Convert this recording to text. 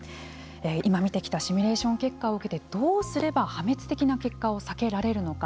今見てきたシミュレーション結果を受けてどうすれば破滅的な結果を避けられるのか